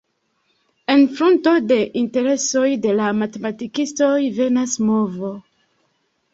En frunton de interesoj de la matematikistoj venas movo.